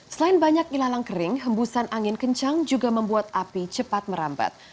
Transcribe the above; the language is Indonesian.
selain banyak ilalang kering hembusan angin kencang juga membuat api cepat merambat